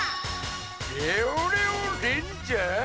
レオレオレンジャー？